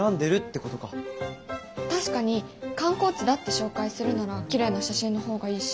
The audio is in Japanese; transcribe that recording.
確かに観光地だって紹介するならきれいな写真の方がいいし。